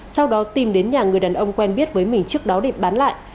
sau đó tìm đến nhà người đàn ông quen biết với mình trước đó để bán lại